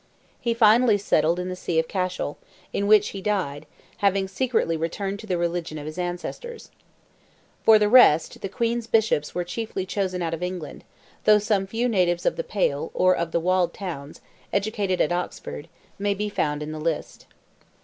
He finally settled in the See of Cashel, in which he died, having secretly returned to the religion of his ancestors. For the rest, "the Queen's Bishops" were chiefly chosen out of England, though some few natives of the Pale, or of the walled towns, educated at Oxford, may be found in the list.